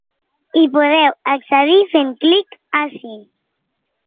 Hi podeu accedir fent clic ací.